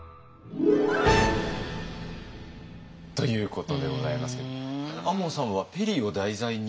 ということでございますけども亞門さんはペリーを題材に？